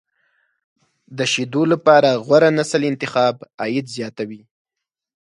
د شیدو لپاره غوره نسل انتخاب، عاید زیاتوي.